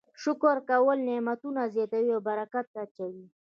شکر کول نعمتونه زیاتوي او برکت اچوي.